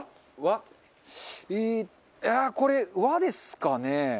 ええいやこれ和ですかね。